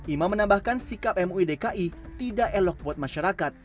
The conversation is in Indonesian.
imam menambahkan sikap muidki tidak elok buat masyarakat